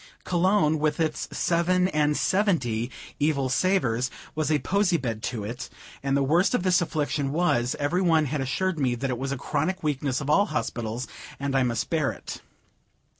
Cologne, with its seven and seventy evil savors, was a posy bed to it; and the worst of this affliction was, every one had assured me that it was a chronic weakness of all hospitals, and I must bear it.